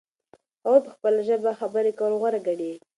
هغوی په خپله ژبه خبرې کول غوره ګڼي.